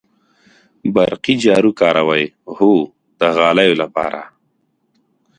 برقی جارو کاروئ؟ هو، د غالیو لپاره